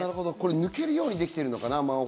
抜けるようにできてるのかな？